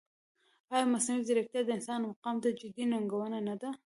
ایا مصنوعي ځیرکتیا د انسان مقام ته جدي ننګونه نه ده؟